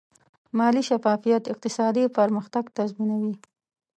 مالي شفافیت اقتصادي پرمختګ تضمینوي.